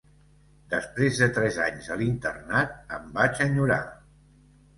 Després de tres anys a l'internat, em vaig enyorar.